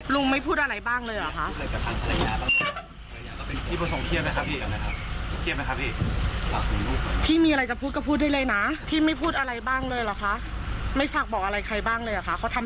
ไม่พูดอะไรบ้างเลยเหรอคะ